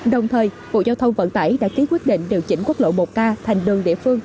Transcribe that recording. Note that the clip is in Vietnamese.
đồng thời bộ giao thông vận tải đã ký quyết định điều chỉnh quốc lộ một k thành đường địa phương